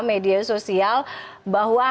media sosial bahwa